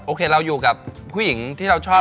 โอเคเราอยู่กับผู้หญิงที่เราชอบ